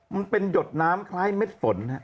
มันเป็นหยดน้ำคล้ายเม็ดฝนฮะ